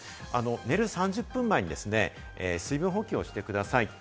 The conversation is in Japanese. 寝る３０分前にですね、水分補給をしてくださいと。